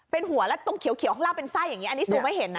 เป็นหัวแล้วตรงเขียวข้างล่างเป็นไส้อย่างนี้อันนี้ซูมให้เห็นนะ